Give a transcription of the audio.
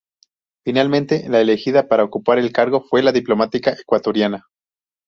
Finalmente la elegida para ocupar el cargo fue la diplomática ecuatoriana.